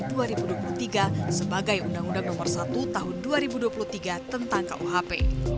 kuhp nasional juga akan berlaku di tahun dua ribu dua puluh tiga sebagai undang undang nomor satu tahun dua ribu dua puluh tiga tentang kuhp